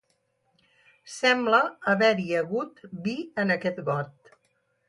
Sembla haver-hi hagut vi en aquest got